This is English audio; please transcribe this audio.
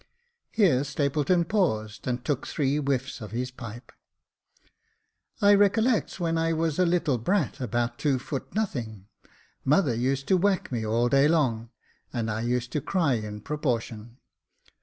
Here Stapleton paused, and took three whiffs of his pipe. " I recollects when I was a little brat about two foot nothing, mother used to whack me all day long, and I used to cry in proportion.